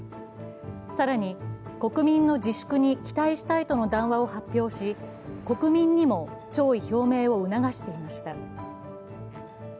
更に、国民の自粛に期待したいとの談話を発表し国民にも弔意表明を促していました。